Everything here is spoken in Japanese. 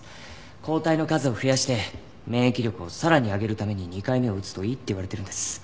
抗体の数を増やして免疫力をさらに上げるために２回目を打つといいっていわれてるんです。